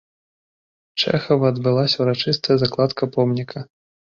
Чэхава адбылася ўрачыстая закладка помніка.